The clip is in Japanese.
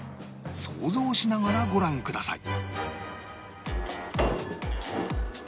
想像しながらご覧ください